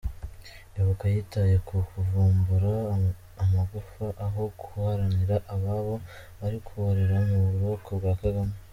Ibuka yitaye kukuvumbura amagufwa aho guharanira “ababo” bari kuborera mu buroko bwa Kagame!!!